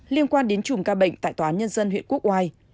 liên quan đến chủng ca bệnh tại tòa án nhân dân huyện quốc ngoài